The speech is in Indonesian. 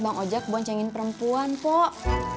bang ojak boncengin perempuan pok